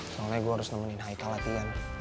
soalnya gue harus nemenin haikal latihan